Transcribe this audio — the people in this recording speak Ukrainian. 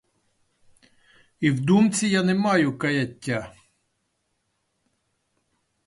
І в думці я не маю каяття.